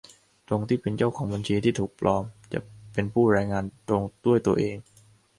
ตรงที่เป็นเจ้าของบัญชีที่ถูกปลอมเป็นผู้รายงานตรงด้วยตัวเอง